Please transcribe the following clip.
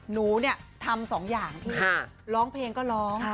หนูเนี่ยทำสองอย่างพี่ร้องเพลงก็ร้อง